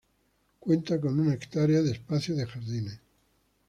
Cuenta con una hectárea de espacio de jardines.